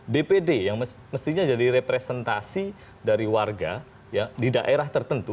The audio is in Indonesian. dpd yang mestinya jadi representasi dari warga di daerah tertentu